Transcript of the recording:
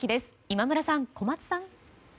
今村さん、小松さん。